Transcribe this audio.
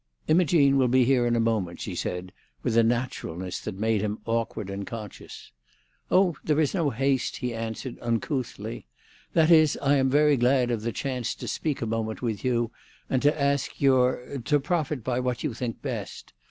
"Imogene will be here in a moment," she said, with a naturalness that made him awkward and conscious. "Oh, there is no haste," he answered uncouthly. "That is, I am very glad of the chance to speak a moment with you, and to ask your—to profit by what you think best.